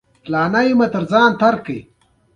علي ورځ په ورځ له خپل پخواني غرور څخه را کوزېږي.